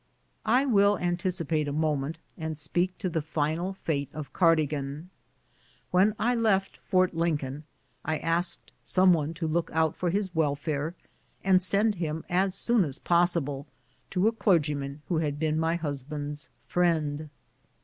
I will anticipate a moment and speak of the final fate of Cardigan. When I left Fort Lincoln I asked some one to look out for his welfare, and send him, as soon as possible, to a clergyman w4io had been my husband's friend.